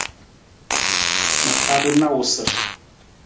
Ma haru na awusar.